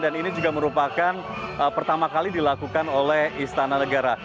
dan ini juga merupakan pertama kali dilakukan oleh istana negara